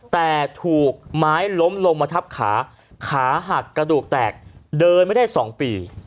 แต่ถูกไม้ล้มลงมาทับขาขาหักกระดูกแตกเดินไม่ได้๒ปี